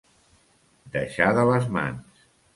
Deixar de les mans.